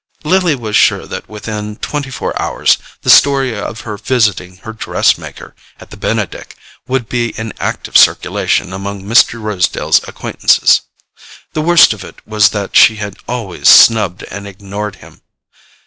Lily was sure that within twenty four hours the story of her visiting her dress maker at the Benedick would be in active circulation among Mr. Rosedale's acquaintances. The worst of it was that she had always snubbed and ignored him.